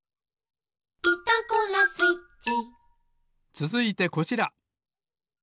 つづいてこちら！